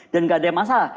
dan gak ada masalah